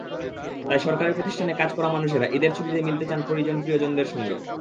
তাই সরকারি প্রতিষ্ঠানে কাজ করা মানুষেরা ঈদের ছুটিতে মিলতে চান পরিজন-প্রিয়জনদের সঙ্গে।